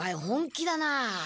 本気だな。